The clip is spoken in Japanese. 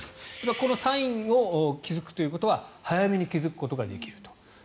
このサインに気付くということは早めに気付くことができると。